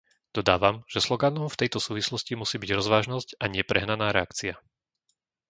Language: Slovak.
Dodávam, že sloganom v tejto súvislosti musí byť rozvážnosť a nie prehnaná reakcia.